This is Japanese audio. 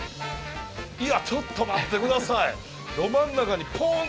いやちょっと待って下さい！